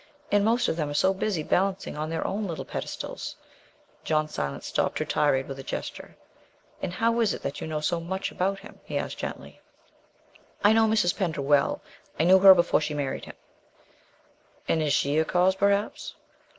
And most of them are so busy balancing on their own little pedestals " John Silence stopped her tirade with a gesture. "And how is it that you know so much about him?" he asked gently. "I know Mrs. Pender well I knew her before she married him " "And is she a cause, perhaps?"